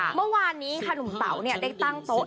เมื่อวานนี้ค่ะหนุ่มเต๋าได้ตั้งโต๊ะ